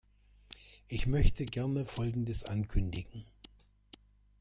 Ich möchte gerne Folgendes ankündigen.